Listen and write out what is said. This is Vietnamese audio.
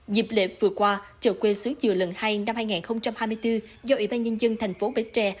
dịp lễ vừa qua chợ quê sứ dừa lần hai năm hai nghìn hai mươi bốn do ủy ban nhân dân thành phố bến tre